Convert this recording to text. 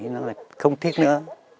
nó lại không thích nữa